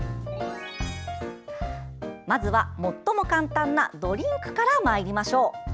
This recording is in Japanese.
まずは最も簡単なドリンクからまいりましょう。